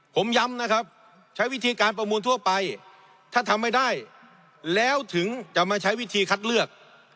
ผมย้ำนะครับใช้วิธีการประมูลทั่วไปถ้าทำไม่ได้แล้วถึงจะมาใช้วิธีคัดเลือก